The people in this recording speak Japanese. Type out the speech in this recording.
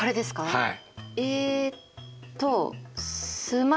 はい。